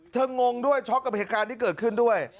งงด้วยช็อกกับเหตุการณ์ที่เกิดขึ้นด้วย